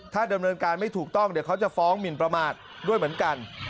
ถ้าดำเนินการไม่ถูกต้องเดี๋ยวเขาจะฟ้องหมินประมาทด้วยเหมือนกัน